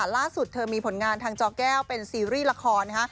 ล่าสุดเธอมีผลงานทางจอแก้วเป็นซีรีส์ละคร